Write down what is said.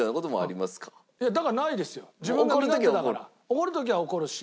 怒る時は怒るし。